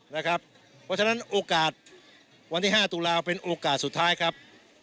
เพราะฉะนั้นโอกาสวันที่๕ตุลาเป็นโอกาสสุดท้ายครับ